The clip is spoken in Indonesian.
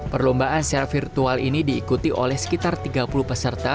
perlombaan secara virtual ini diikuti oleh sekitar tiga puluh peserta